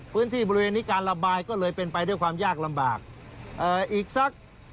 พื้นที่บริเวณนี้การระบายก็เลยเป็นไปด้วยความยากลำบากเอ่ออีกสัก